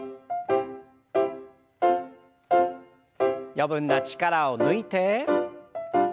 余分な力を抜いて。